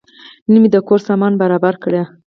نن مې د کور سامان برابر کړ.